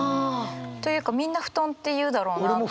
というかみんな布団って言うだろうなって。